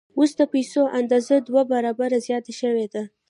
اوس د پیسو اندازه دوه برابره زیاته شوې ده